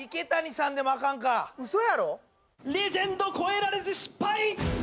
レジェンド越えられず失敗！